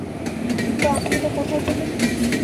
কিন্তু আপনি এটা কোথায় পেলেন?